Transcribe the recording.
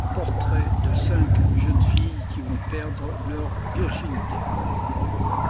Le portrait de cinq jeunes filles qui vont perdre leur virginité.